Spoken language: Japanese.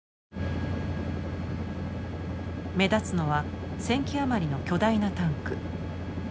目立つのは１，０００基余りの巨大なタンク。